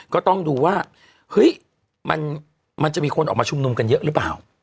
ก็ต้องดูว่าเฮ้ยมันจะมีคนออกมาชุมนุมกันเยอะหรือเปล่า